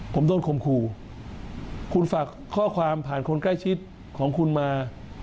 ผมโดนคมครูคุณฝากข้อความผ่านคนใกล้ชิดของคุณมา